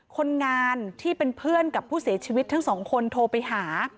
คนงานที่เป็นเพื่อนกับผู้เสียชีวิตทั้งสองคนโทรไปหา